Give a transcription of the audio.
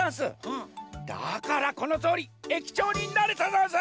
だからこのとおり駅長になれたざんす！